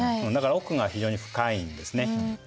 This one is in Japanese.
だから奥が非常に深いんですね。